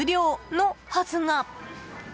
のはずが。